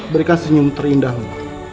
berikan senyum terindahmu